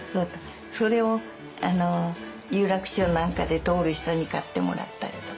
それを有楽町なんかで通る人に買ってもらったりとか。